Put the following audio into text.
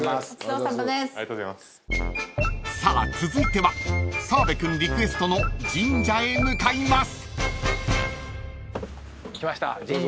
［さあ続いては澤部君リクエストの神社へ向かいます］来ました神社。